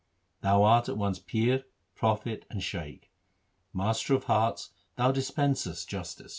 Thou art at once Pir, Prophet, and Shaikh ; Master of hearts, Thou dispensest justice.